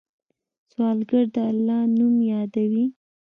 سوالګر د الله نوم یادوي